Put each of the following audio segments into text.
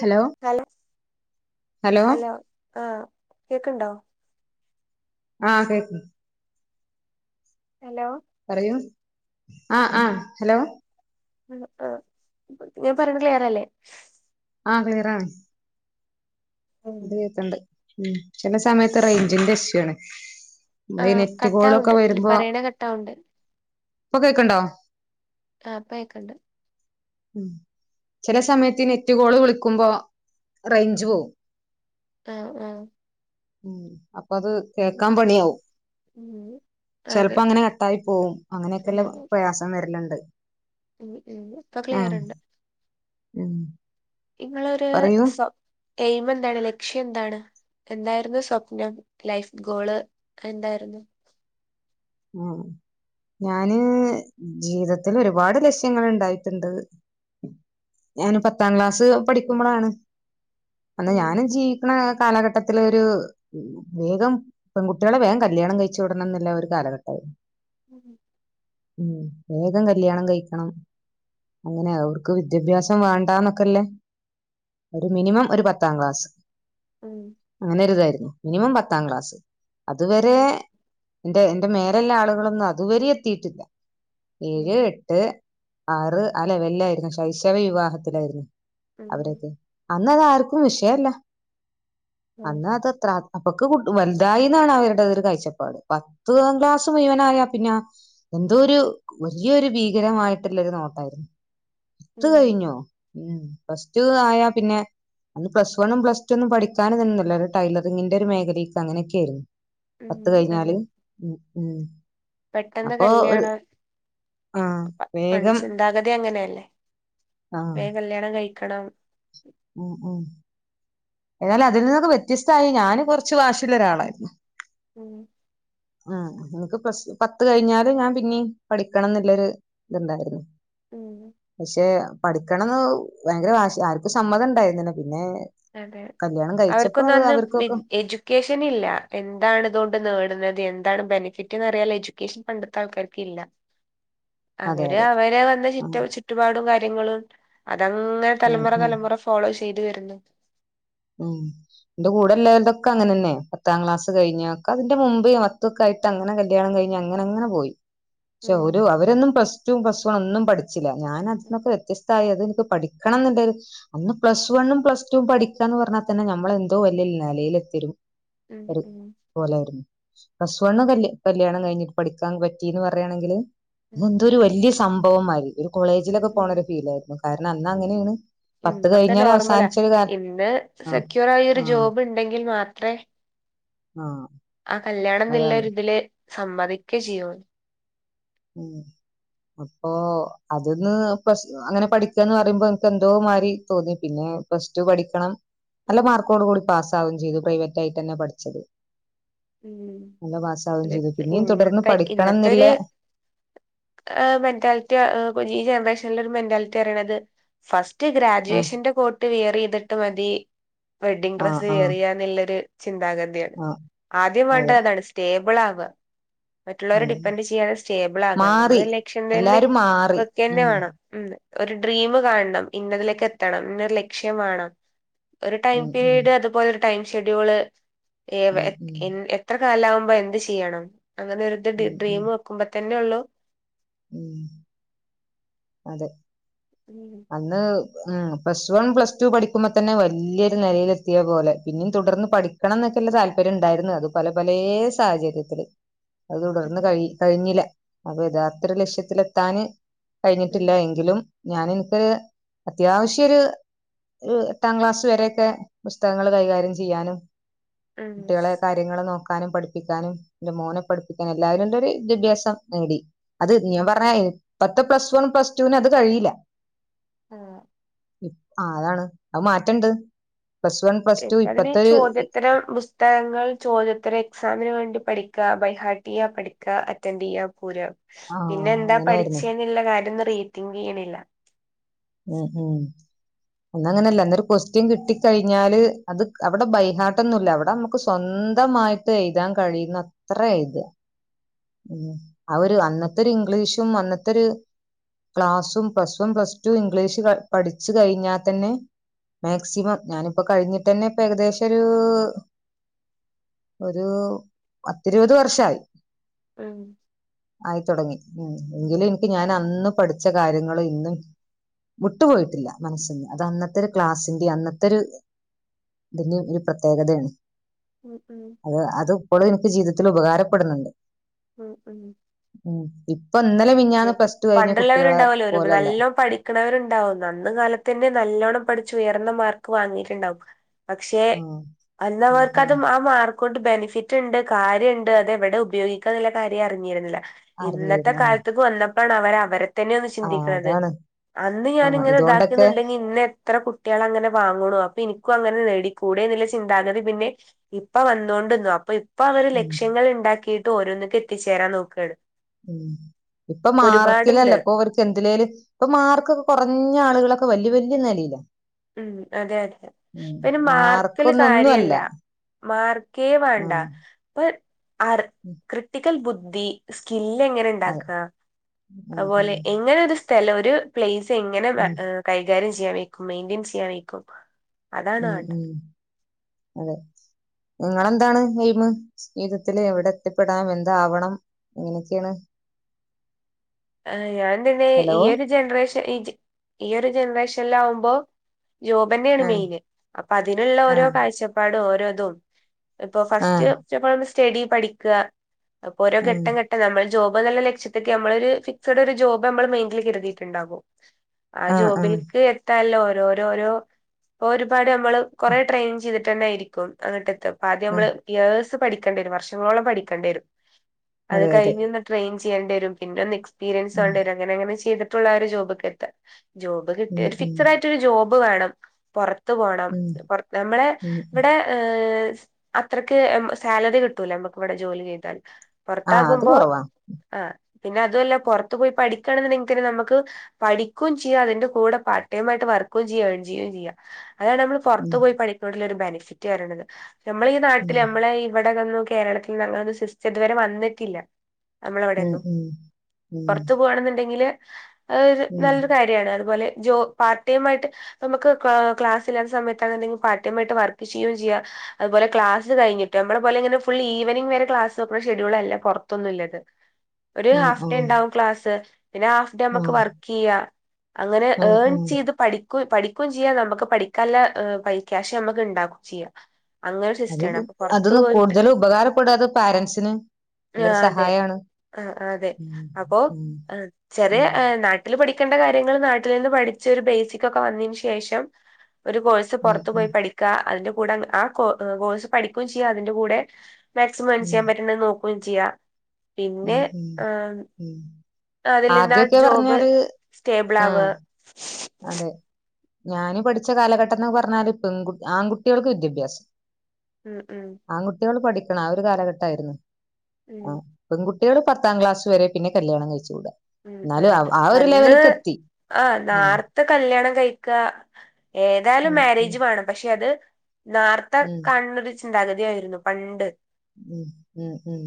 Hello Kala hello ആഹ് കേക്ണ്ടോ? ആഹ് കേക്ക്‌ ഹലോ പറയൂ ആഹ് ആഹ് ഹലോ. ഹലോ ആ ഞാൻ പറയണത് ക്ലിയർ അല്ലെ ആ ക്ലിയർ ആണ് ഇത് കെക്കണ്ട് ഉം ചെല സമയത്ത് റേഞ്ചിന്റെ ഇഷ്യുണ് ആ കട്ടാവണ്ട് ക്ലി പറയണ കട്ടാവണ്ട് ഇപ്പൊ കേക്കണ്ടോ ആ ഇപ്പകെക്കണ്ട് ഉം ചില സമയത്ത് ഇ നെറ്റ് കോള് വിളികുമ്പോ റേഞ്ച് പോവും ആ ആ ഉം അപ്പൊ അത് കേക്കാൻ പണിയാവും ഉം ചെലപ്പോ അതെ അങ്ങനെ കട്ടായി പോവും അങ്ങനെയൊക്കെള്ള പ്രയാസം വരലിണ്ട് ക്ലിയർണ്ട് ഉം ഇങ്ങളൊര് പറയൂ സ്വ എയിം എന്താണ് ലക്ഷ്യം എന്താണ് എന്തായിരുന്നു സ്വപ്നം ലൈഫ് ഗോള് എന്തായിരുന്നു ആ ഞാന് ജീവിതത്തിൽ ഒരുപാട് ലക്ഷ്യങ്ങൾ ഇണ്ടായിട്ട്ണ്ട് ഞാന് പത്താം ക്ലാസ് പഠിക്കുമ്പോളാണ് അന്നാ ഉം ഞാനും ജീവിക്കണ കാലഘട്ട ത്തിലൊരു വേഗം പെൺ കുട്ടിയളെ വേഗം കല്യാണം കഴിച്ചു വിടണം ന്നുള്ള ഒരു കാലഘ ഉം ഉം വേഗം കല്യാണം കഴിക്കണം അങ്ങനെ അവർക്ക് വിദ്യാഭ്യാസം വേണ്ടന്നൊക്കെല്ലേ ഒരു മിനിമം ഒരു പത്താം ക്ലാസ് ഉം ആനെരി ഇതായിരുന്നു മിനിമം പത്താം ക്ലാസ് അതുവരെ ഉം എന്റെ എന്റെ മേരെല്ലാ ആളുകളൊന്നും അതുവരെ എത്തിട്ടില്ല ഏഴ് എട്ട് ആറ് അല്ലെ വല്ലായിരുന്നു ശൈശവ വിവാഹത്തില്ലായിരുന്ന ഉം അന്ന അത് ആർക്കും വിഷയല്ല ഉം അന്നത് ത്ര അപ്പൊക്ക വലുതായിന്നാണ് അവരുടേതൊരു കഴിച്ചപ്പാട് പത്താം ക്ലാസ്സ്‌ മുഴുവനായ പിന്നെ എന്തോ ഒരു വലിയൊരു ഭീകരമായിട്ടുള്ളരു നോട്ടായിരുന്നു പത്ത് ഉം കഴിഞ്ഞോ ഉം പ്ലസ് ടു ആയാ പിന്നെ അന്ന് പ്ലസ് വണ്ണും പ്ലസ് ടു പഠിക്കാനും നിന്നില്ല ടൈലറിങ്ങിന്റെ ഒരു മേഖലക്ക് അങ്ങനെയൊക്കെ ആയിരുന്നു ഉം പത്ത് അതെ കഴിഞ്ഞാല് ഉം പെട്ടെന്ന് അപ്പൊ ഒരു കല്ലിയാണം ആഹ് [unintelligible] വേഗം ചിന്താഗതി അങ്ങനെയല്ലേ ആഹ് വേഗം കല്യാണം കഴി ക്കണം ഉം ഉം എന്നാൽ അതിൽ നിന്നൊക്കെ വ്യത്യസ്തമായി ഞാനൻ കുറച്ച് വാശിയുള്ള ഒരാളായിരുന്നു ഉം ഉം നിനക്ക് പ്ലസ് പത്ത് കഴിഞ്ഞാല് ഞാൻ പിന്നെ പഠിക്കണം എന്നുള്ളരു ഇത്ണ്ടായിരുന്നു ഉം പക്ഷേ പഠിക്കണം എന്ന് ഭയങ്കര വാശി സമ്മത ഇണ്ടായിരുന്നു നിനക്ക് അതെ അവർക്കൊന്നും അത് അന്ന് അവർക്കൊക്കെ എജ്യൂക്കേഷൻ ഇല്ല എന്താണ്തുകൊണ്ട് നേട്ന്നത് അതാണ് [unintelligible] എഡ്യൂക്കേഷൻ പണ്ടത്തെ ആൾക്കാർക്ക് ഇല്ല അതെ അവര് അതെ അവര് വന്ന ഉം ചുറ്റ് ചുറ്റുപാടും കാര്യങ്ങളും അതങ്ങനെ ഉം തലമുറ ഉം തലമുറ ഫോളോ ചെയ്ത് ചെയ്തു വരുന്നു ഉം എന്റെ [unintelligible] അങ്ങനെ തന്നെ പത്താം ക്ലാസ് കഴിഞ്ഞ ഒക്കെ അതിന്റെ മുമ്പ് മത്തൊക്കെ ആയിട്ട് അങ്ങനെ കല്യാണം കഴിഞ്ഞ് അങ്ങനെ അങ്ങനെ പോയി പക്ഷെ ഒരു ഉം അവരന്നും പ്ലസ് പ്ലസ് ടു പ്ലസ് വണ്ണും പഠി പഠിച്ചില്ല ഞാനതിനോക്കെ വത്യസ്ഥതായത് പഠിക്കണം എന്നുണ്ട് അന്ന് പ്ലസ് വണ്ണും പ്ലസ് ടു പഠിക്ക ന്ന് പറഞ്ഞാൽ തന്നെ നമ്മള് എന്തോ [unintelligible] നിലയിൽ എത്തിയയൊരു ഉം ഒരു ഉം പോലായിരുന്നു പ്ലസ് വൺ കല്ല് കല്യാണം കഴിഞ്ഞ് പഠിക്കാൻ പറ്റിന്ന് പറയാന്നാക്കില്ല് ഉം എന്തരു വലിയ സംഭവമായി ഒരു ഉം കോളേജിലൊക്കെ ഉം പോണ ഒരു ഫീലായിരുന്നു കാരണം അന്ന് ഉം അങ്ങനെയാണ് പത്ത് കഴിഞ്ഞാല് അവസാനിച്ചരു ത് സെക്യൂറായ ഒരു ജോബ്ണ്ടെങ്കിൽ മാത്രേ ആ ആ അതാണ് കല്യാണന്നില്ലൊരു ഇതില് സമ്മതിക്കെ ചെയ്യു മ് അപ്പൊ അതന്ന് പെസ്റ്റു അങ്ങനെ പഠിക്കന്ന് പറയുമ്പോ എനിക്ക് എന്തോ മാരി തോന്നി പിന്നെ പ്ലസ് ടു പഠിക്കണം ഉം നല്ല മാർക്കോട് കൂടി പാസ് ത്താവും ചെയ്തു പ്രൈവറ്റായിട്ടന്നെ പഠിച്ചത് ഉം നല്ല പാസ്സാവേം അല്ലെ ചെയ്തു പിന്നെയും തുടർന്ന് ഇന്നത്തെ ഇന്നത്തൊരു പഠിക്കണന്നില്ലേ മെന്റാലിറ്റി ഈ ജനറേഷനിൽ ഒരു മെന്റാലിറ്റി അറിയണത് ഫസ് റ്റ് ആ ഗ്രാജുവേഷന്റെ കോട്ട് വേറെ ഇത് ട്ട് മതി വെഡിങ് ആ ഡ്രസ്സ് ആ എറിയാന്നിള്ളൊര് ചിന്താഗതിയാ ആ ആദ്യം അതെ വേണ്ടതതാണ് സ്റ്റേ സ്റ്റേബിളാവുക മറ്റുള്ളവരെ ഉം ഡിപ്പെന്റ് ചെയ്യാതെ സ്റ്റേബിളകാൻ മാറി നമ്മളെ ലക്ഷ്യം തന്നെ എല്ലാരും മാറി വെക്കെന്നെ ഉം വേണം മ് ഒരു ഡ്രീമ് കാണണം ഇന്നതിലേക്ക് എത്തണം ഇന്നൊരു ലക്ഷ്യം വേണം ഒരു ടൈം ഉം ഉം പിരീഡ് അതുപോലെ ഒരു ടൈം ഷെഡ്യൂള് ഏ വെ ഉം എ ഉം എൻ എത്ര കാലാവുമ്പോ എന്ത് ചെയ്യണം അങ്ങനെ ഒരു ഇത് ഡി ഉം ഉം ഡ്രീമു വെക്കുമ്പോ തന്നെ ഒള്ളൂ ഉം അതെ അന്ന് ആ പ്ലസ് വൺ പ്ലസ് ടു പഠിക്കുമ്പോ തന്നെ വലിയൊരു നിലയിലെത്തിയ പോലെ പിന്നെയും തുടർന്ന് പഠിക്കണം എന്നൊക്കെള്ള താല്പര്യം ഉണ്ടായിരുന്നു അത് പല പലേ സാഹചര്യത്തില് അത് തുടർന്ന് കഴി കഴിഞ്ഞില്ല അപ്പൊ യഥാർത്തൊരു ലക്ഷ്യത്തിലെത്താന് കഴിഞ്ഞിട്ടില്ലയെങ്കിലും ഞാനിപ്പേ അത്യാവശ്യോരു എട്ടാം ക്ലാസ് വരൊക്കെ പുസ്തകങ്ങള് കൈകാര്യം ചെയ്യാനും കുട്ടികളെ കാര്യങ്ങള് നോക്ക ക്കാനും പഠിപ്പിക്കാനും ന്റെ മോനെ പഠിപ്പിക്കാനും എല്ലാവരും ന്റെ ഒരു വിദ്യാഭ്യാസം നേടി അത് ഞാൻ പറഞ്ഞ എനി പത് ഇപ്പൊ പ്ലസ് വൺ പ്ലസ് ടുവിന് അത് കഴിയില്ല ആഹ് ഇപ് ആ അതാണ് അത് മാറ്റണ്ട് പ്ലസ് വൺ പ്ലസ് ടു പ്പതിന് ഇപ്പത്തെ ഒരു ചോദ്യത്തരം പുസ്തകങ്ങൾ ചോദ്യത്തര എക്സാമിന് വേണ്ടി പഠിക്ക ബൈഹാർട്ട് ചെയ്യാ പഠിക്ക അറ്റന്റ്യ്യാ പോരുക പിന്നെ ആഹ് എന്താ അങ്ങനെയായിരുന്നു പഠിച്ചേന്ന്ള്ള കാര്യം ന്ന് റീ തിങ്ക് ചെയ്യണില്ല ആഹ് ഹാ അന്നങ്ങനെല്ല ഇന്നൊരു ക്വസ്റ്റ്യൻ കിട്ടി കഴിഞ്ഞാല് അത് അവിടെ ബൈഹാർട്ടൊന്നുല്ല അവ്ടെ മ്മക്ക് സ്വന്തമായിട്ട് എഴുതാൻ കഴിയുന്നത്ര എഴുതുക ഊം ആ ഒരു അന്നത്തൊരു ഇംഗ്ലീഷും അന്നത്തെ ഒരു ക്ലാസും plus one, plus two English പഠിച്ചു കഴിഞ്ഞാൽ തന്നെ മാക്സിമം ഞാനിപ്പോ കഴിഞ്ഞിട്ടന്നെ ഇപ്പൊരു ഏകദേശൊരു ഒരു പത്തിരുപത് വർഷായി ഊം ആയിത്തൊടങ്ങി ഊം എങ്കിലും എനിക്ക് ഞാൻ അന്ന് പഠിച്ച കാര്യങ്ങൾ ഇന്നും വിട്ടുപോയിട്ടില്ല മനസ്സിന് അത് അന്നത്തൊരു ക്ലാസിന്റേം അന്നത്തൊരു ഇതിന്റെ ഒരു പ്രത്യേകതയാണ്. ഉം ഉം അത് അത് ഇപ്പളും എനിക്ക് ജീവിത ത്തിൽ ഉപകാരപ്പെടുന്ന്ണ്ട്. ഊം ഊം ഇപ്പൊ ഇന്നലെ അതെ മിഞ്ഞാന്ന് പ്ലസ് ടു കഴിഞ്ഞ കുട്ടികളെ പണ്ടുള്ളവര്ണ്ടാവല്ലോ ഓരൊന്ന് പോലല്ല നല്ലോം പഠിക്കണവരുണ്ടാവും അന്ന് കാലത്ത് തന്നെ നല്ലോണം പഠിച്ചു ഉയർന്നമാർക്ക് വാങ്ങീറ്റ്ണ്ടാവും. പക്ഷെ ഉം, ഉം, അന്നവർക്ക് ഉം. അത് ആ മാർ കൊണ്ട് ബെനിഫിറ്റ്ണ്ട് കാര്യണ്ട് അതെവടെ ഉപയോഗി ക്കണന്ന്ള്ള കാര്യം അറിഞ്ഞിര്ന്നില. ഇന്നത്തെ അറിഞ്ഞിരുന്നു ഉം. കാലത്ത്ക്ക് വന്ന പ്പാണ് അവര് അവരെ തന്നെ ഒന്ന് ആ ചിന്തിക്കണത്. അതാണ് അന്ന് ആ ഞാനിങ്ങനെ ഇതുകൊണ്ടൊക്കെ താക്കീന്ന്ണ്ടങ്കി ഇന്നെ ഇത്ര കുട്ട്യാളങ്ങനെ വാങ്ങുണു അപ്പൊ എനിക്കും അങ്ങനെ നേടിക്കൂടെന്നുള്ള ചിന്താഗതി പിന്നെ ഇപ്പ വന്നോണ്ട്ന്നു അപ്പ ഇപ് ഇപ്പ അവര് ഉം, ലക്ഷങ്ങള് ഇണ്ടാക്കി ട്ടോരോന്ന്ക്ക്‌ എത്തിച്ചേരാൻ നോക്കാണ് ഉം ഇപ്പൊ മാർക്കിലല്ല ഇപ്പൊ അവർക്ക് എന്തിലേലും ഇപ്പൊ മാർക്കൊക്കെ കുറഞ്ഞ ആളുകളൊ വല്ല്യാ വല്ല്യ നെലയിലാ ഉം അതെ അതെ ഇപ്പന്നെ മാർക്കില് മാർക്കൊന്നും ഒന്നുമല്ല കാര്യല്ല മാർക്കേ ആ വേണ്ട ഇപ്പൊ ആർ ഉം, ക്രിട്ടിക്കൽ ബു ദ്ധി സ്‌കില്ലെങ്ങനെ അതെ ഇണ്ടാക്ക ഉം, ഉം, അത്പോലെ എങ്ങനെ ഒരു സ് സ്ഥല ഒരു പ്ലേസ് സിങ്ങനെ ഉം, കൈകാര്യം ചെയ് ചെയ്യാൻ വെയ്ക്കും മെയി ചീയാൻ വെയ്ക്കും ഉം ഉം അതെ നിങ്ങളെന്താണ് എയ്മ് ജീവിതത്തില് എവിടെ എത്തിപ്പെടാം എന്താവണം എങ്ങനെയൊക്കെയാണ് ആ ഞാൻ തന്നെ ഹലോ ഈയൊരു ജനറേഷൻ ഈ ഈ ഒരു ജനറേഷൽ ആകുമ്പോ ജോബന്നേണ് ആഹ് മെയിന് അപ്പൊ അതിനുള്ള ഓരോ ആഹ് കാഴ്ചപ്പാടും ഓരോ അതോ ഇപ്പൊ ഫസ്റ്റ് ആഹ് ക [unintelligible] ചെടി പഠിക്കുക അപ്പൊ ഓരോ ഉം ഘട്ടം ഘട്ടം നമ്മൾ ജോബ് എന്നുള്ള ലക്ഷ്യത്തെക്കെ നമ്മളൊരു ഫിക്സഡ് ഒരു ജോബ് നമ്മള് മയിന്റില് കരുതിയിട്ടുണ്ടാകും ആ ആഹ് ആഹ് ജോബിൽക്ക് എത്താല്ലോ രോരോ ഒരുപാട് നമ്മള് കൊറ ട്രെയിനിങ് ചെയ്തിട്ട് തന്നെയിരിക്കും അങ്ങണ്ടെത്തും അപ്പ ആദ്യം ഉം നമ്മള് [unintelligible] പഠിക്കണ്ടിവരും വർഷങ്ങളോളം പഠിക്കണ്ടി വരും അത് അതെ അതെ കഴിഞ്ഞന്ന് ട്രെയിൻ ചെയ്യണ്ടി വരും പിന്നെെ നെക്സ് പീരിയൻസ് ഉം വാണ്ടിരും അങ്ങനെ അങ്ങനെ ചെയ്തിട്ട് പുള്ളേര് ജോബൊക്കെ എത്ത ജോബ് ഉം കിട്ടിയ ഒരു ഉം ഫിക്സഡ് ആയിട്ട് ഒരു ജോബ് ബ് വേണം പൊർ ത്ത് പോണം ഉം പൊർ നമ്മളെ ഉം ഇവിടെ ഹ് അത്രയ്ക്ക് ഉം സാലറി കിട്ടൂല നമ്മക്ക് ഇവിടെ ജോലി ചെയ്താൽ ആഹ് അത് പൊറത്താക്കുമ്പോ കൊറവാ ആ പിന്നെ അതുല്ല പൊർത്ത് പോയി പഠിക്കണെന്നുണ്ടെങ്കി നമുക്ക് പഠിക്കും ചെയ്യാം അതിന്റെ കൂടെ പാർട്ട് ടൈം ആട്ട് വർക്കും ചെയ്യ എൺ ചെയ്യുകയും ചെയ്യാം അതാണ് നമ്മൾ ഉം പുറത്ത് പോയി പഠിക്കുന്നുള്ള ഒരു ബെന ഫിറ്റ് പറിണത് നമ്മള ഈ ഉം നാട്ടില് നമ്മളെ ഇവിടെ വിടൊന്നും കേരളത്തിൽ അങ്ങനെ സിസ്റ്റം ഇതുവരെ വന്നിട്ടില്ല ഉം നമ്മളവിടെന്നും ഉം ഉം പുറത്തു പോകണന്നി ല്ലെങ്കില് അത്. ഒരു ഉം നല്ലൊരു കാര്യമാണ് അതുപോലെ ജോ പാർട്ട് ടൈം ആയിട്ട് നമ്മുക്ക് ക്ലാസ്സില്ലാത്ത സമയത്താണെങ്കി പാർട്ട് ടൈം ആയിട്ട് വർക്ക് ചെയ്യുകയും ചെയ്യാം. അതുപോലെ ക്ലാസ് കഴിഞ്ഞിട്ട് നമ്മളെ പോലെ ഇങ്ങനെ ഫുൾ ഈവനിംഗ് വരെ ക്ലാസ് ഓപ്പറേറ്റ് ഷെഡ്യൂൾല്ല പുറത്തൊന്നുമിള്ളത് ഒരു ആഹ് ഹാഫ് ആഹ് രണ്ടാവും ക്ലാസ്. പിന്നെ ഹാഫ് ഡേ നമ്മക്ക് ആഹ് വർക്ക് ചെയ്യാ. അങ്ങനെ ആഹ് ഏൺ ആഹ് ചെയ്ത് പഠിക്ക ക്ക് പഠിക്കുകയും ചെയ്യാ. നമുക്ക് പഠിക്കാനുള്ള പൈ ക്യാഷ് നമുക്ക് ഉണ്ടാക്കും ചെയ്യാം. അങ്ങനെ ഒരു സിസ്റ്റമാണ് അത് അപ്പൊ പുറത്തു അതൊന്നും പോയിട്ട് കൂടുതല് ഉപകാരപ്പെടുഅത് പാരന്റ്സിന് ആ നല്ലൊരു അതെ സഹായാണ്. ആഹ് അതെ അപ്പോ ഉം ചെറിയ ഉം നാട്ടിൽ പഠിക്ക കണ്ട കാര്യങ്ങൾ നാട്ടിൽ നിന്ന് പഠിച്ച ഒരു ബേസിക് ഒക്കെ വന്നതിനന് ശേഷം ഒരു കോഴ്സ് ഉം പുറത്തു ഉം പോയി പഠിക്ക. അതിന്റെ കൂടെ ആ കോഴ്സ് പഠിക്കുയും ചെയ്യാം. അതിന്റെ കൂടെ മാക്സിമംഏൺ ഉം ചെയ്യാൻപറ്റണ നോ ക്കു ചെയ്യ ഉം പിന്നെ ഉം ആ ഉം അതിൽന്താ ആദ്യൊക്കെ ജോബ് പറഞ്ഞാല് സ്റ്റേബിൾ ആവുക. ആഹ് ഞാന് പഠിച്ച കാലഘട്ടം എന്ന് പറഞ്ഞാല് പെൺ, ആൺകുട്ടികൾക്ക് വിദ്യാഭ്യാസം ഉം ഉം ആൺകുട്ടികൾ പഠ ആ ഒരു കാലഘട്ടമായിരുന്നു. ആ ഉം പെൺകു കുട്ടികള്പത്താംക്ലാസ് വരെ പിന്നെ കല്യാണം കഴിച്ച് വിടുക. ഉം അതെ വന്ന് ആ [unintelligible] കല്യാണം കഴിക്ക ഏതായാലും ഉം ഉം മാരേജ് വേണം. പക്ഷെ അത് നാർത്തെ ഉം കണ്ണ ചിന്താഗതിയായിരുന്നു പണ്ട്. ഉം ഉം ഉം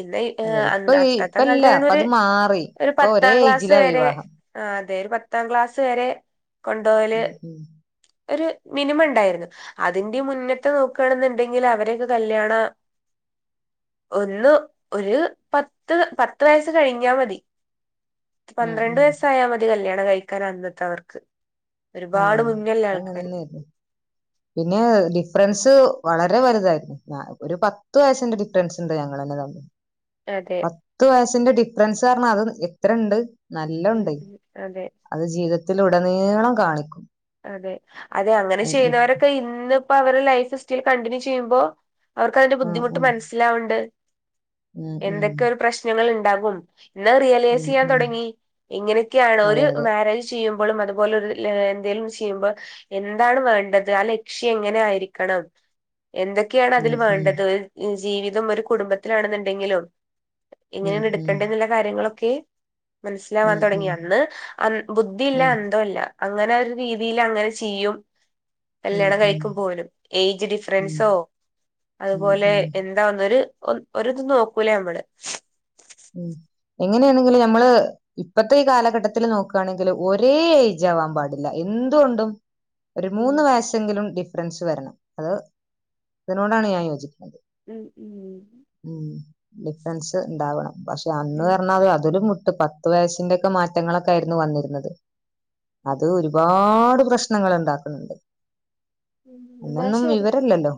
ഇന്ന് അതെ ഇപ്പൊ അത്തത്തെ ഇപ്പല്ല കാലത്ത് പറയണ ഇപ്പം ഒരു അത് മാറി. ഒരു ഇപ്പൊ ഒരേ പത്താം ക്ലാസ്സ് ഏജിലാ വരെ വിവാഹം ആ, അതെ ഒരു പത്താം ക്ലാസ്സ് വരെ കൊണ്ടപോവല് ഉം ഉം ഒരു മിനിമം ഉണ്ടായിരുന്നു. അതിന്റെ മുന്നത്തെ നോക്കുകയാണെന്നുണ്ടെങ്കിൽ അവരൊക്കെ കല്യാണം ഒന്ന് ഒരു പത്ത്, പത്ത്, വയസ് കഴിഞ്ഞാൽ മതി. ഉം പന്ത്രണ്ട് ഉം വയസ്സായൽ മതി കല്യാണ കഴിക്കാ അന്നത്തെ അവർക്ക് ആ ഒരുപാട് മുന്നിലുള്ള ആൾക്കാര് അങ്ങനെന്നെയായിരുന്നു പിന്നെ ഡിഫറൻസ് വളരെ വലുതായിരുന്നു ഒരു പത്ത് വയസ്സിന്റെ ഡിഫറൻസ് ഉണ്ട് ഞങ്ങൾ തന്നെ തന്നു അതെ പത്ത് വയ സിന്റെ ഡിഫറൻസ് പറ അത് എത്ര ഇണ്ട് നല്ല ഉം ഉണ്ട് ഉം അതെ അത് ജീവിത തിത്തിലുടനീളം കാണിക്കും ഉം അതെ അതെ അങ്ങനെ ചെയ്യുന്നവരൊക്കെ ഇന്ന് അപ്പ അവടെ ലൈഫ് സ്സ്റ്റൈൽ കണ്ടിന്യൂ ചെയ്യുമ്പോ അവർക്ക് അതിന്റെ ബുദ്ധിമുട്ട് ഉം മനസ്സിലാവുണ്ട് ഉം ഉം എന്തൊക്കെയ ഒരു പ്രശ്നങ്ങൾ ഡഗും എന്നാ റിയലൈസ് ഉം ചെയ്യാൻ ഉം തുടങ്ങി എങ്ങനെയൊക്കെയാണ് അതെ ഒരു അതെ മാരേജ് ചെയ്യും പോലും അതുപോലൊ എന്തേലും ചെയ്യുമ്പോ എന്താണ് വേണ്ടത് ആ ലക്ഷ്യം എങ്ങനെ ആയിരിക്കണം എന്തൊക്കെയാണ് അതിൽ ഉം ഉം വേണ്ടത് ജീവിതം ഒരു കുടുംബത്തിലാണെന്നുണ്ടെങ്കിലും ഉം ഇങ്ങനെയാണ് ഉം എടുക്കേണ്ട എന്നുള്ള കാര്യങ്ങളൊക്കെ ഓക്കെ മനസ്സിലാവാൻ ഉം തുടങ്ങി ഉം അന്ന് അന്ന ഉം ബുദ്ധിയില്ല ഉം അന്തോ ഇല്ല അങ്ങനെ ഒരു രീതിൽ അങ്ങനെ ചെയ്യും ഉം എല്ലട ഉം കഴിക്കും പോലും ഏജ് ഡിഫറൻസോ ഉം അതുപോലെ ഉം എന്തോന്നരു ഒ ഒരിത് നോക്കൂലേ നമ്മള് എങ്ങനെയാണെങ്കില് നമ്മള് ഇപ്പത്തെ ഈ കാലഘട്ടത്തില് നോക്കയാണെങ്കില് ഒരേ ഏജ് ആവാൻ പാടില്ല എന്തുകൊണ്ടും ഒരു ഉം മൂന്ന് വയസ്സെങ്കിലും ഫ്രണ്ട്സ് വരണം അത് അതിനോടാണ് ഞാൻ യോജിക്കുന്നത് ഉം ഉം ഉം ഡിഫറൻസ് ഉണ്ടാവണം പക്ഷെ അന്ന് ഉം പറഞ്ഞാ അത് അതില് പത്ത് വയസിന്റെക്കെ മാറ്റങ്ങളൊക്കെയായിരുന്നു വന്നിരുന്നത് ഉം അത് ഒരുപാട് പ്രശ്നങ്ങൾ ഉണ്ടാക്കുന്നുണ്ട് എന്നാ ന്നൊന്നും ശരി വിവരല്ലല്ലോ